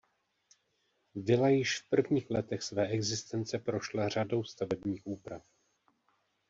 Vila již v prvních letech své existence prošla řadou stavebních úprav.